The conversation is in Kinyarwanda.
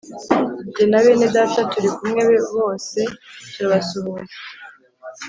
jye na bene Data turi kumwe bose turabasuhuje